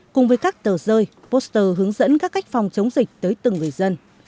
cùng với các tờ rơi poster hướng dẫn các cách phòng chống dịch tới từng người dân